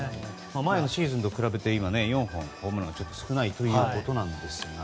前のシーズンと比べて今４本ホームランが少ないということですが。